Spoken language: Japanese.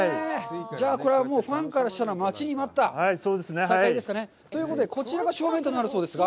じゃあこれは、ファンからしたら待ちに待った再開ですかね。ということでこちらが正面となるそうですが。